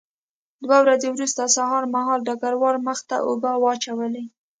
دوه ورځې وروسته سهار مهال ډګروال مخ ته اوبه واچولې